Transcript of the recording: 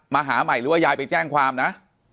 หาใหม่หรือว่ายายไปแจ้งความนะ